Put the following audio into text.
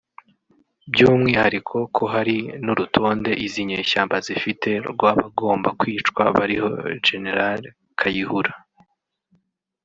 by’umwihariko ko hari n’urutonde izi nyeshyamba zifite rw’abagomba kwicwa bariho Gen Kayihura